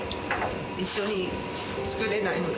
一緒に作れないので。